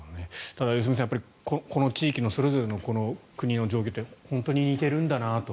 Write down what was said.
良純さんこの地域のそれぞれの状況って本当に似ているんだなと。